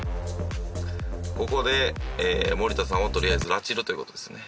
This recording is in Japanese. ここで森田さんをとりあえず拉致るという事ですね。